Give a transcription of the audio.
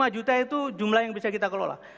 lima juta itu jumlah yang bisa kita kelola